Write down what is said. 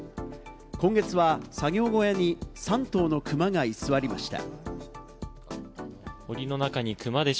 今月は作業小屋に３頭のクマが居座りました。